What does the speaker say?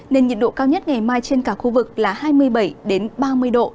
nên nhiệt độ cao nhất ngày mai trên cả khu vực là hai mươi bảy ba mươi độ